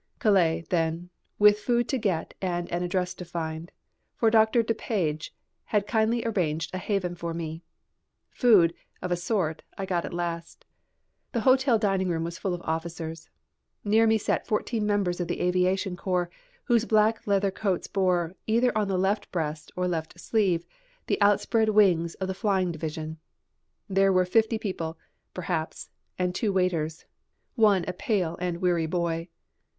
Calais then, with food to get and an address to find. For Doctor Depage had kindly arranged a haven for me. Food, of a sort, I got at last. The hotel dining room was full of officers. Near me sat fourteen members of the aviation corps, whose black leather coats bore, either on left breast or left sleeve, the outspread wings of the flying division. There were fifty people, perhaps, and two waiters, one a pale and weary boy.